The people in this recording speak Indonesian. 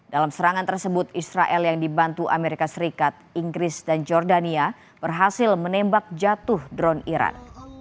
dalam serangan tersebut israel yang dibantu amerika serikat inggris dan jordania berhasil menembak jatuh drone iran